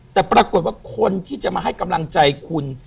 แต่ปรากฏว่าคนที่จะมาให้กำลังใจคุณ